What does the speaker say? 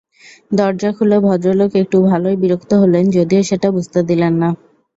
দরজা খুলে ভদ্রলোক একটু ভালোই বিরক্ত হলেন যদিও সেটা বুঝতে দিলেন না।